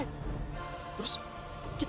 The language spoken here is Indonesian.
aku akan beristirahat